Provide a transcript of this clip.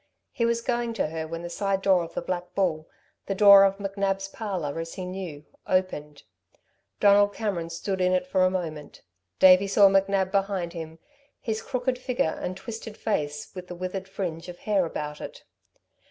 He was going to her when the side door of the Black Bull the door of McNab's parlour, as he knew opened. Donald Cameron stood in it for a moment. Davey saw McNab behind him, his crooked figure and twisted face with the withered fringe of hair about it.